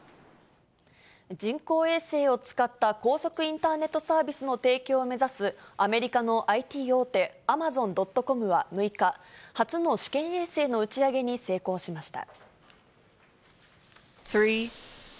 人工衛星を使った高速インターネットサービスの提供を目指すアメリカのＩＴ大手、アマゾン・ドット・コムは６日、初の試験衛星の打ち上げに成功しました。